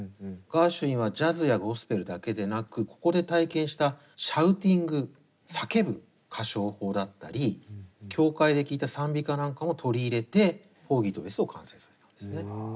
ガーシュウィンはジャズやゴスペルだけでなくここで体験したシャウティング叫ぶ歌唱法だったり教会で聴いた賛美歌なんかも取り入れて「ポーギーとベス」を完成させたんですね。